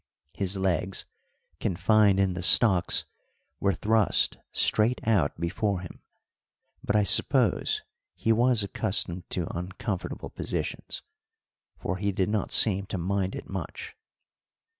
His legs, confined in the stocks, were thrust straight out before him; but I suppose he was accustomed to uncomfortable positions, for he did not seem to mind it much.